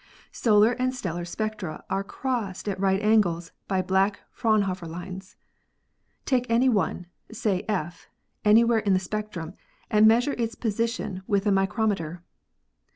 Solar and stellar spectra are crossed at right angles by black Fraunhofer lines. Take any one, say F, anywhere in the spectrum and measure its position with a microme ter.